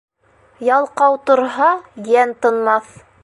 Ялҡау торһа, йән тынмаҫ.